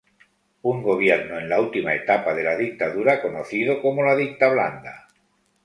Un gobierno en la última etapa de la dictadura conocido como la "dictablanda".